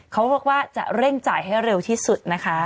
เขาบอกว่าจะเร่งจ่ายให้เร็วที่สุดนะคะ